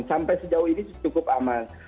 sampai sejauh ini cukup aman